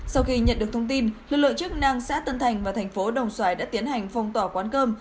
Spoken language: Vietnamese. sau khi nhận được thông tin lực lượng chức năng xã tân thành và thành phố đồng xoài đã tiến hành phong tỏa quán cơm